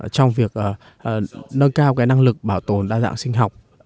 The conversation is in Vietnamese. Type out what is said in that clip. trong việc nâng cao cái năng lực bảo tồn đa dạng sinh học